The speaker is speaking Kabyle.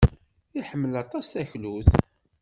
Iḥemmel aṭas taklut.